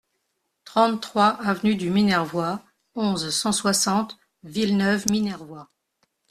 trente-trois avenue du Minervois, onze, cent soixante, Villeneuve-Minervois